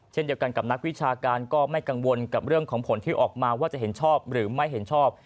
เช่นเดียวกันกับนักวิชาการก็ไม่กังวลกับเรื่องของผลที่ออกมาว่าจะเห็นชอบหรือไม่เห็นชอบ